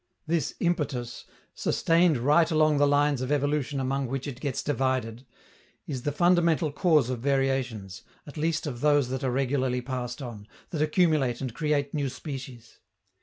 This impetus, sustained right along the lines of evolution among which it gets divided, is the fundamental cause of variations, at least of those that are regularly passed on, that accumulate and create new species.